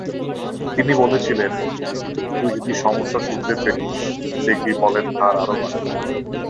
তিনি বলেছিলেন, তুই যদি সমস্যা শুধরে ফেলিস, দেখবি বলের ধার আরও বাড়বে।